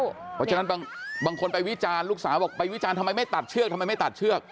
เพราะฉะนั้นบางคนไปวิจารณ์ลูกสาวบอกไปวิจารณ์ทำไมไม่ตัดเชือกทำไมไม่ตัดเชือก